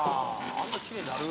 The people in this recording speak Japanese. あんなきれいになる？」